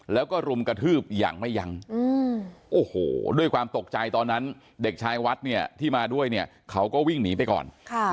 แล้วก็รุมกระทืบอย่างไม่ยั้งโอ้โหด้วยความตกใจตอนนั้นเด็กชายวัดเนี่ยที่มาด้วยเนี่ยเขาก็วิ่งหนีไปก่อน